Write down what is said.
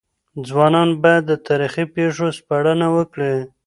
ځوانان بايد د تاريخي پېښو سپړنه وکړي.